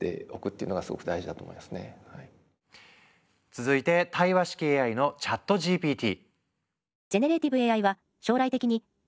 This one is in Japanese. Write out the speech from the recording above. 続いて対話式ＡＩのＣｈａｔＧＰＴ。